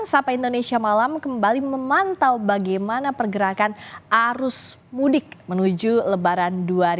sapa indonesia malam kembali memantau bagaimana pergerakan arus mudik menuju lebaran dua ribu dua puluh